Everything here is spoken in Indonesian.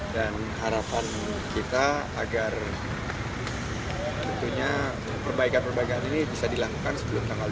dan harapan kita agar perbaikan perbaikan ini bisa dilakukan sebelum tanggal